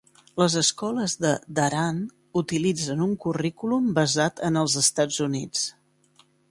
Les escoles de Dhahran utilitzen un currículum basat en els Estats Units.